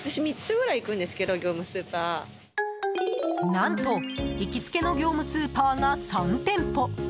何と行きつけの業務スーパーが３店舗。